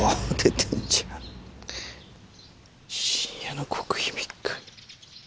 「深夜の極秘密会」。